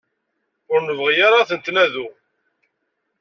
Ur nebɣi ara ad tent-nadu.